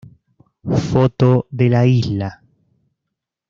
Foto de la isla